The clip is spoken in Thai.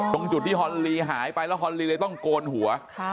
ตรงจุดที่ฮอนลีหายไปแล้วฮอนลีเลยต้องโกนหัว